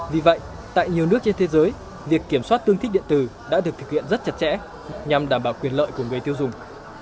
vì vậy tại nhiều nước trên thế giới việc kiểm soát tương thích điện tử đã được thực hiện rất chặt chẽ nhằm đảm bảo quyền lợi của người tiêu dùng